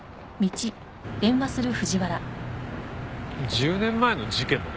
１０年前の事件の事？